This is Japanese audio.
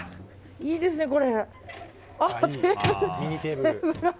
いいですね、これ。